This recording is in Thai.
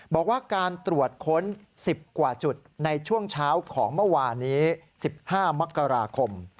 บอกว่าการตรวจค้น๑๐กว่าจุดในช่วงเช้าของเมื่อวานนี้๑๕มกราคม